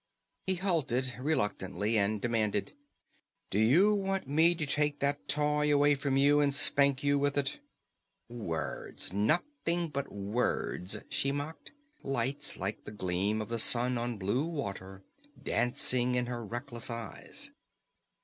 He halted, reluctantly, and demanded: "Do you want me to take that toy away from you and spank you with it?" "Words! Nothing but words!" she mocked, lights like the gleam of the sun on blue water dancing in her reckless eyes.